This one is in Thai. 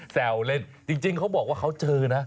แซวเล่นจริงเขาบอกว่าเขาเจอนะ